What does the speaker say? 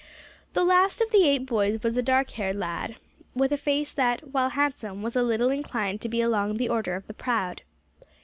The last of the eight boys was a dark haired lad, with a face that, while handsome, was a little inclined to be along the order of the proud.